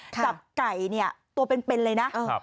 จับไก่เนี่ยตัวเป็นเลยนะ